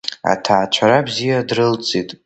Аҭаацәара бзиа дрылҵит.